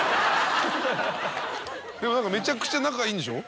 でも何かめちゃくちゃ仲いいんでしょ？